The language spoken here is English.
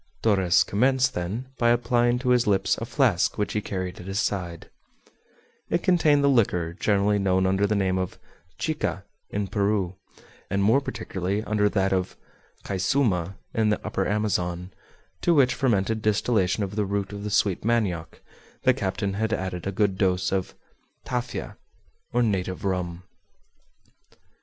Torres commenced, then, by applying to his lips a flask which he carried at his side; it contained the liquor generally known under the name of "chica" in Peru, and more particularly under that of "caysuma" in the Upper Amazon, to which fermented distillation of the root of the sweet manioc the captain had added a good dose of "tafia" or native rum.